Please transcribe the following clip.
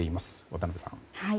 渡辺さん。